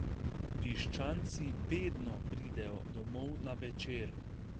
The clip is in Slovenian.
Piščanci vedno pridejo domov na večer.